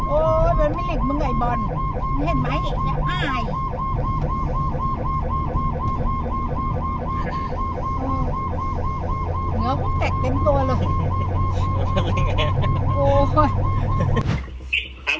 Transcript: ผู้ชีพเราบอกให้สุจรรย์ว่า๒